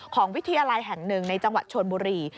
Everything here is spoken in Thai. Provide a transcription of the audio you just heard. ของวิทยาลัยแห่ง๑ในจังหวัดชนบุรี